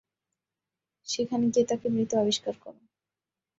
সেখানে গিয়ে তাকে মৃত আবিষ্কার করো।